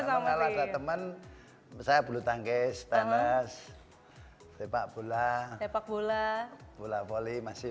sama mesin menanggal ada temen saya bulu tangkis tenis sepak bola sepak bola bola volley masih